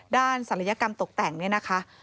ศัลยกรรมตกแต่งเนี่ยนะคะ